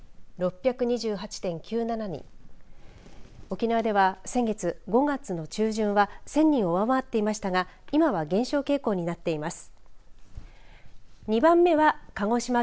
沖縄では先月５月の中旬は１０００人を上回っていましたが今は減少傾向になっています。